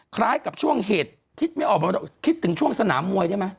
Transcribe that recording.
คล้ายกับช่วงเหตุคิดไม่ออกมาคิดถึงช่วงสนามมวยได้ไหม